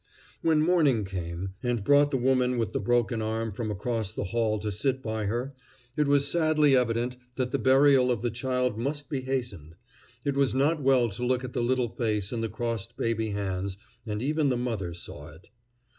When morning came and brought the woman with the broken arm from across the hall to sit by her, it was sadly evident that the burial of the child must be hastened. It was not well to look at the little face and the crossed baby hands, and even the mother saw it.